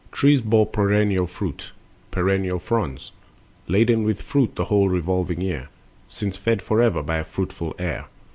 Trees bore perennial fruit, perennial fronds, Laden with fruit the whole revolving year, Since fed forever by a fruitful air.